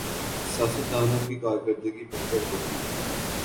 سیاستدانوں کی کارکردگی بہتر ہو گی۔